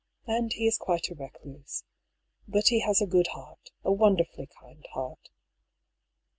And he is quite a recluse. But he has a good heart, a wonderfully kind heart."